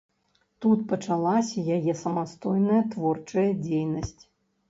Тут пачалася яе самастойная творчая дзейнасць.